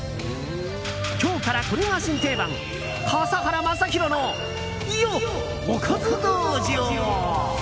今日から、これが新定番笠原将弘のおかず道場。